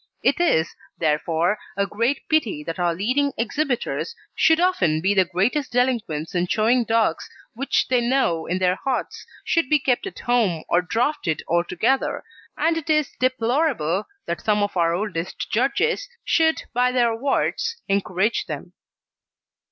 It is, therefore, a great pity that our leading exhibitors should often be the greatest delinquents in showing dogs which they know in their hearts should be kept at home or drafted altogether, and it is deplorable that some of our oldest judges should by their awards encourage them.